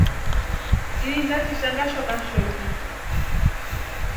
Ini ngatisha Ngashoka shoki.